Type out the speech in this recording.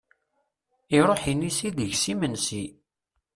Iṛuḥ inisi deg-s imensi!